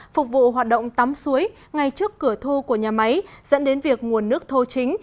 phục vụ hoạt động tắm suối ngay trước cửa thu của nhà máy dẫn đến việc nguồn nước thô chính